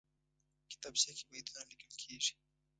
کتابچه کې بیتونه لیکل کېږي